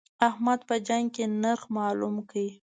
احمد په جنګ کې نرخ مالوم کړ.